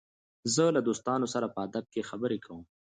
زه له دوستانو سره په ادب خبري کوم.